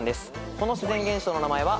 この自然現象の名前は。